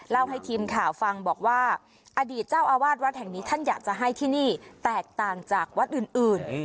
ให้ทีมข่าวฟังบอกว่าอดีตเจ้าอาวาสวัดแห่งนี้ท่านอยากจะให้ที่นี่แตกต่างจากวัดอื่น